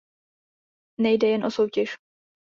Nejde jen o soutěž.